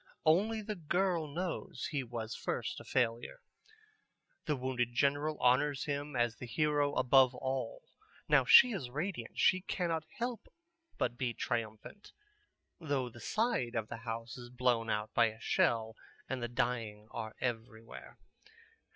Only the girl knows he was first a failure. The wounded general honors him as the hero above all. Now she is radiant, she cannot help but be triumphant, though the side of the house is blown out by a shell and the dying are everywhere.